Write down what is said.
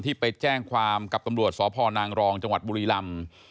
ไปแจ้งความกับตำรวจสพนางรองจังหวัดบุรีลำ